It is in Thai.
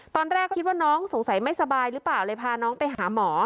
ตอนแรกคิดว่าน้องสงสัยไม่สบายหรือเปล่าเลยพาน้องไปหาหมอ